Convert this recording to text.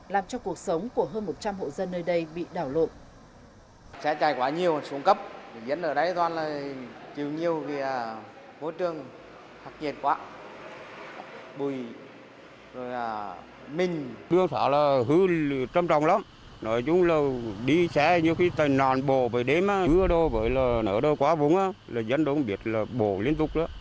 làm cho cuộc sống của hơn một trăm linh hộ dân nơi đây bị đảo lộn